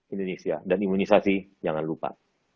indonesia dan imunisasi jangan lupa